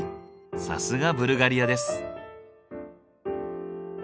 さすがブルガリアです。